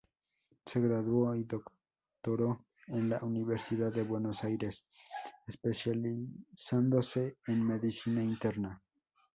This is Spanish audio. Se graduó y doctoró en la Universidad de Buenos Aires, especializándose en medicina interna.